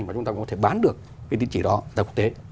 mà chúng ta có thể bán được cái tiến trị đó tại quốc tế